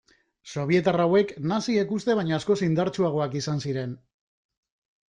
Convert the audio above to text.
Sobietar hauek naziek uste baino askoz indartsuagoak izan ziren.